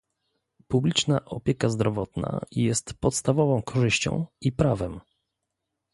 Publiczna opieka zdrowotna jest podstawową korzyścią i prawem